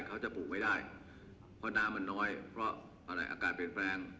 เขาจะปลูกไม่ได้เพราะน้ำมันน้อยเพราะอะไรอากาศเปลี่ยนแปลง